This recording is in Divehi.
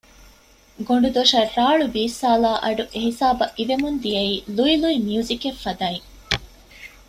ގޮނޑުދޮށަށް ރާޅު ބީއްސާލާ އަޑު އެ ހިސާބަށް އިވެމުން ދިއައީ ލުއި ލުއި މިޔުޒިކެއް ފަދައިން